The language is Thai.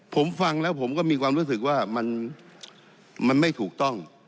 ผมฟังแล้วผมก็มีความรู้สึกว่ามันไม่ถูกต้อง